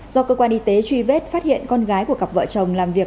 do cơ quan y tế truy vết phát hiện con gái của cặp vợ chồng làm việc